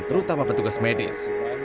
terutama petugas medis